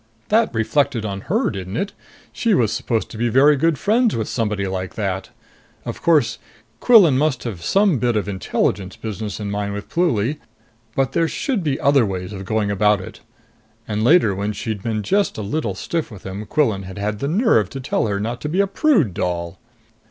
That reflected on her, didn't it? She was supposed to be very good friends with somebody like that! Of course Quillan must have some bit of Intelligence business in mind with Pluly, but there should be other ways of going about it. And later, when she'd been just a little stiff with him, Quillan had had the nerve to tell her not to be a prude, doll!